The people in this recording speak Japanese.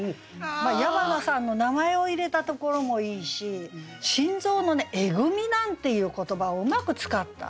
矢花さんの名前を入れたところもいいし「心臓のえぐみ」なんていう言葉をうまく使った。